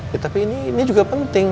ya tapi ini juga penting